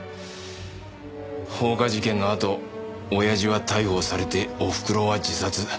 放火事件のあと親父は逮捕されておふくろは自殺。